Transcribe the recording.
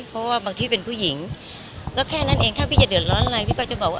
เพราะว่าบางที่เป็นผู้หญิงแล้วแค่นั้นเองถ้าพี่จะเดือดร้อนอะไรพี่ก็จะบอกว่า